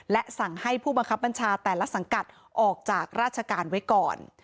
และสั่งให้ผู้บังคับบัญชาแต่ละสังกัดออกจากราชการไว้ก่อน